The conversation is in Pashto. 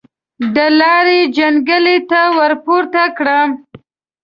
د لارۍ جنګلې ته ورپورته کړم.